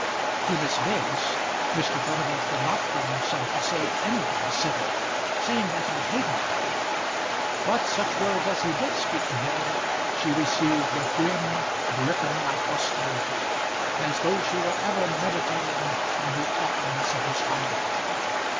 To Miss Biggs Mr. Furnival could not bring himself to say anything civil, seeing that he hated her; but such words as he did speak to her she received with grim griffin like austerity, as though she were ever meditating on the awfulness of his conduct.